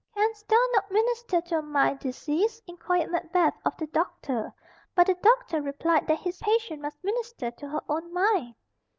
"Canst thou not minister to a mind diseased?" inquired Macbeth of the doctor, but the doctor replied that his patient must minister to her own mind.